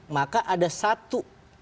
maka ada satu